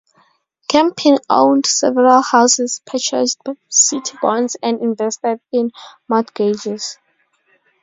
Campin owned several houses, purchased city bonds and invested in mortgages.